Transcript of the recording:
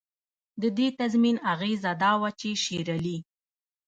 د دې تضمین اغېزه دا وه چې شېرعلي.